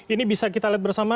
ini bisa kita lihat bersama